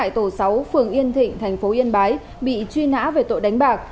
tổ sáu phường yên thịnh tp yên bái bị truy nã về tội đánh bạc